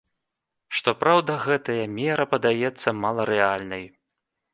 Што праўда, гэтая мера падаецца маларэальнай.